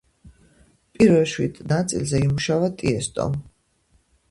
პირველ შვიდ ნაწილზე იმუშავა ტიესტომ.